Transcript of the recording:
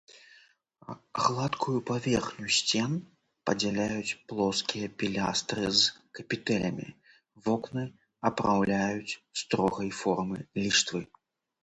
Гладкую паверхню сцен падзяляюць плоскія пілястры з капітэлямі, вокны апраўляюць строгай формы ліштвы.